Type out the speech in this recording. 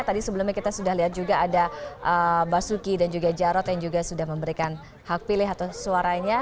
tadi sebelumnya kita sudah lihat juga ada basuki dan juga jarod yang juga sudah memberikan hak pilih atau suaranya